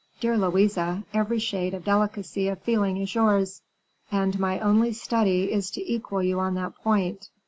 "Dear Louise, every shade of delicacy of feeling is yours, and my only study is to equal you on that point.